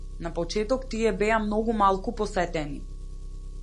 На почетокот тие беа многу малку посетени.